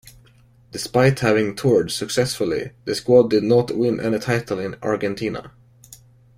Despite having toured successfully, the squad did not win any title in Argentina.